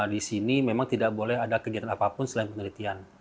di sini memang tidak boleh ada kegiatan apapun selain penelitian